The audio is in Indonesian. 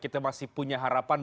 kita masih punya harapan